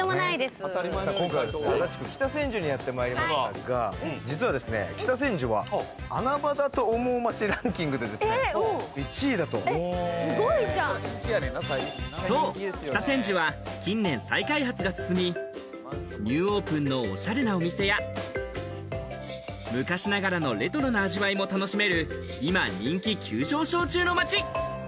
今回は足立区北千住にやってまいりましたが、実は北千住は穴場だと思う街ランキングでですね、北千住は近年再開発が進み、ニューオープンのおしゃれなお店や、昔ながらのレトロな味わいも楽しめる、いま人気急上昇中の街！